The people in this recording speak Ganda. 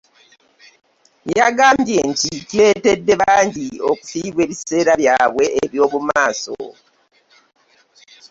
Yagambye nti kireetedde bangi okufiirwa ebiseera byabwe eby'omu maaso